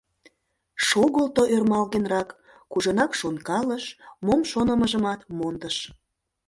Шогылто ӧрмалгенрак, кужунак шонкалыш, мом шонымыжымат мондыш.